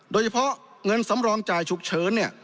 โดยเฉพาะเงินสำรองจ่ายฉุกเฉินเนี่ย